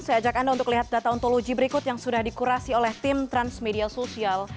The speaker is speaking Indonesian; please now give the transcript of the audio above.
saya ajak anda untuk lihat data ontologi berikut yang sudah dikurasi oleh tim transmedia sosial